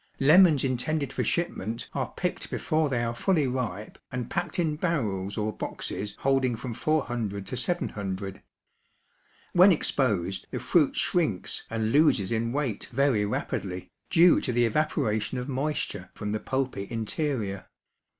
Lemons intended for shipment are picked before they are fully ripe and packed in barrels or boxes holding from 400 to 700. When exposed the fruit shrinks and loses in weight very rapidly, due to the evaporation of moisture from the pulpy interior.